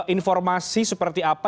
informasi seperti apa